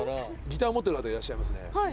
ギター持ってる方いらっしゃいますね。